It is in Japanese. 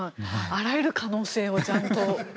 あらゆる可能性をちゃんと。